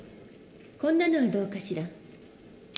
こんなのはどうかしら？